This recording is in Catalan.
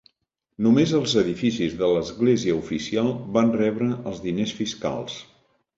Només els edificis de l"església oficial van rebre el diners fiscals.